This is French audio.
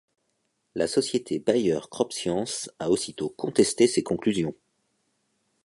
La société Bayer CropScience a aussitôt contesté ces conclusions.